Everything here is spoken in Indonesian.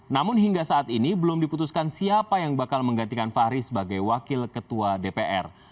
namun hingga saat ini belum diputuskan siapa yang bakal menggantikan fahri sebagai wakil ketua dpr